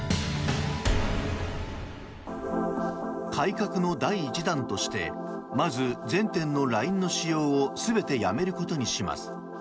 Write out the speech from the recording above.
改革の第１弾としてまず、全店のＬＩＮＥの使用を全てやめることにします。